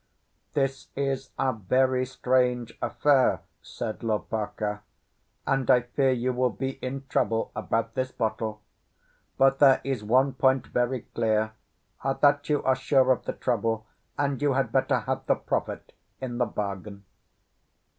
"This is a very strange affair," said Lopaka; "and I fear you will be in trouble about this bottle. But there is one point very clear—that you are sure of the trouble, and you had better have the profit in the bargain.